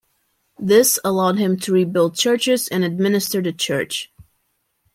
This allowed him to rebuild churches and administer the church.